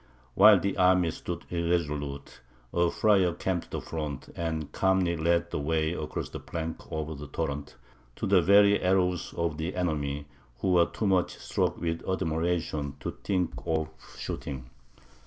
While the army stood irresolute, a friar came to the front, and calmly led the way across the plank over the torrent, to the very arrows of the enemy, who were too much struck with admiration to think of shooting.